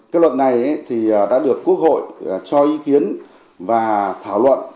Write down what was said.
cái luật này thì đã được quốc hội cho ý kiến và thảo luận